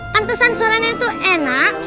pantasan suaranya tuh enak